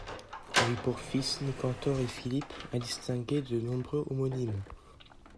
Il a eu pour fils Nicanor et Philippe, à distinguer de nombreux homonymes.